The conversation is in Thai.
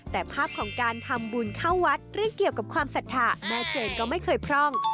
แต่ภาพของการทำบุญเข้าวัดเรื่องเกี่ยวกับความศรัทธาแม่เจนก็ไม่เคยพร่อง